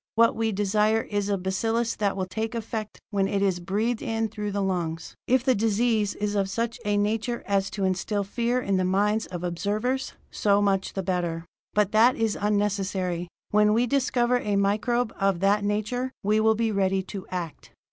"What we desire is a bacillus that will take effect when it is breathed in through the lungs. If the disease is of such a nature as to instill fear in the minds of observers, so much the better; but that is unnecessary. When we discover a microbe of that nature, we will be ready to act.